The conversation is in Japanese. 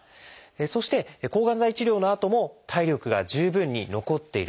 そして抗がん剤治療のあとも体力が十分に残っている。